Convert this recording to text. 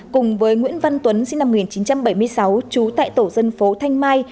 cùng với nguyễn văn tuấn sinh năm một nghìn chín trăm bảy mươi sáu trú tại tổ dân phố thanh mai